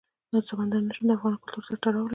سمندر نه شتون د افغان کلتور سره تړاو لري.